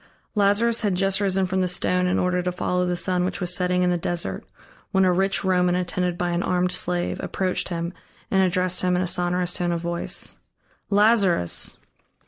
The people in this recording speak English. Lazarus had just risen from the stone in order to follow the sun which was setting in the desert, when a rich Roman attended by an armed slave, approached him and addressed him in a sonorous tone of voice: "Lazarus!"